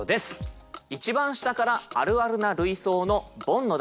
一番下からあるあるな類想のボンの段。